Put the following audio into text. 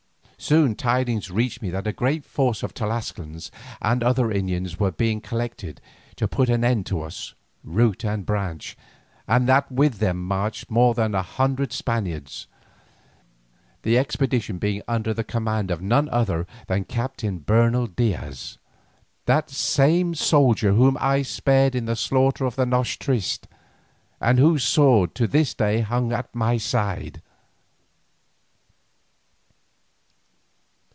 Soon tidings reached me that a great force of Tlascalan and other Indians were being collected to put an end to us, root and branch, and that with them marched more than a hundred Spaniards, the expedition being under the command of none other than the Captain Bernal Diaz, that same soldier whom I had spared in the slaughter of the noche triste, and whose sword to this day hung at my side.